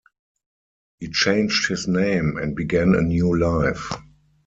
He changed his name and began a new life.